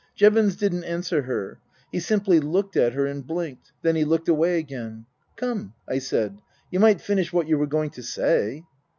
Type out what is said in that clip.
Jevons didn't answer her. He simply looked at her and blinked. Then he looked away again. " Come," I said, " you might finish what you were going to say."